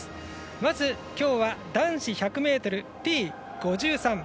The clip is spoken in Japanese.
まずきょうは男子１００ｍＴ５３